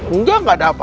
enggak gak ada apa apa